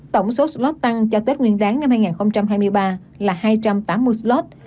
tổng số slot tăng cho tết nguyên đáng năm hai nghìn hai mươi ba là hai trăm tám mươi slot